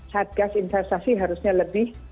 satgas investasi harusnya lebih